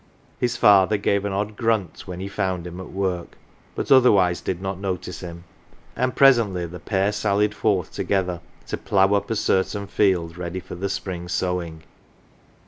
His father gave an odd grunt when he found him at work, but otherwise did not notice him ; and presently the pair sallied forth together, to plough up a certain field ready for the spring sowing.